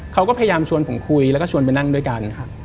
เขาก็พยายามชวนผมคุยแล้วก็ชวนไปนั่งด้วยกันครับ